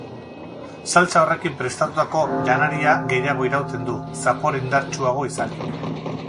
Saltsa horrekin prestatutako janaria gehiago irauten du, zapore indartsuago izanik.